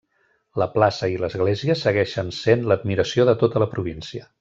La plaça i l'església segueixen sent l'admiració de tota la província.